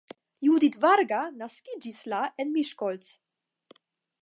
Judit Varga naskiĝis la en Miskolc.